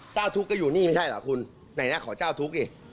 เจ้าทุกข์ก็อยู่นี่ไม่ใช่เหรอคุณไหนนะขอเจ้าทุกข์ดิ